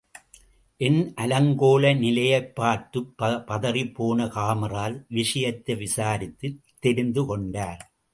என் அலங்கோல நிலையைப் பார்த்துப் பதறிப்போன காமராஜ் விஷயத்தை விசாரித்துத் தெரிந்து கொண்டார்.